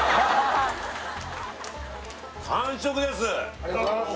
・ありがとうございます！